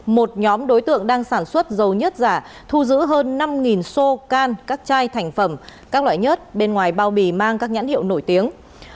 một nhóm đối tượng đang sản xuất dầu nhất giả thu giữ hơn năm xô can các chai thành phẩm các loại nhất bên ngoài bao bì mang các nhãn hiệu nổi tiếng